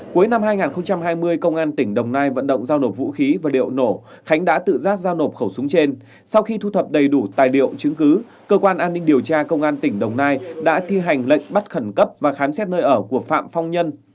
cuối năm hai nghìn hai mươi công an tỉnh đồng nai vận động giao nộp vũ khí và liệu nổ khánh đã tự giác giao nộp khẩu súng trên sau khi thu thập đầy đủ tài liệu chứng cứ cơ quan an ninh điều tra công an tỉnh đồng nai đã thi hành lệnh bắt khẩn cấp và khám xét nơi ở của phạm phong nhân